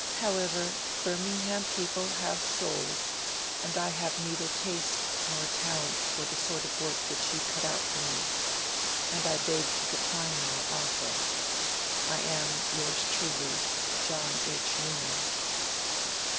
'However, Birmingham people have souls; and I have neither taste nor talent for the sort of work which you cut out for me. And I beg to decline your offer. I am, yours truly, JOHN H. NEWMAN.'